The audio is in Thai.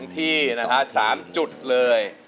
ที่นะฮะ๓จุดเลย